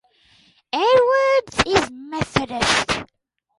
Edwards is Methodist.